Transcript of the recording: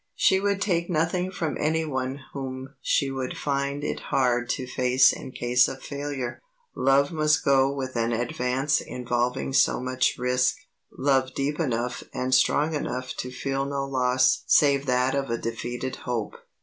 She would take nothing from any one whom she would find it hard to face in case of failure. Love must go with an advance involving so much risk; love deep enough and strong enough to feel no loss save that of a defeated hope.